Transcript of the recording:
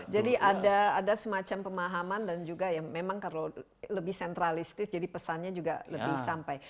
jadi ada semacam pemahaman dan juga ya memang kalau lebih sentralistis jadi pesannya juga lebih sampai